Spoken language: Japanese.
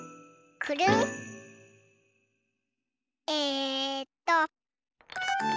えっと。